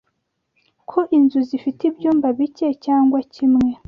ko inzu zifite ibyumba bike (cyangwa kimwe),